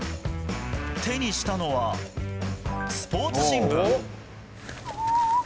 手にしたのは、スポーツ新聞。